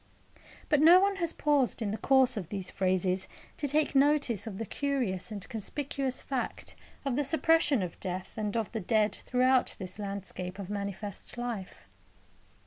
But no one has paused in the course of these phrases to take notice of the curious and conspicuous fact of the suppression of death and of the dead throughout this landscape of manifest life.